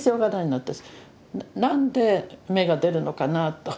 なんで芽が出るのかなぁと。